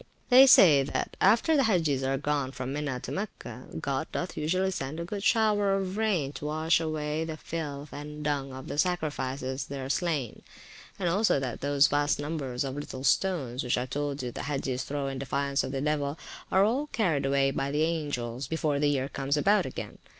They say, that after the Hagges are gone from Mina to Mecca, God doth usually send a good shower of rain to wash away the filth and dung of the sacrifices there slain; and also that those vast numbers of little stones, which I told you the Hagges throw in defiance of the devil, are all carried away by the angels before the year comes about again.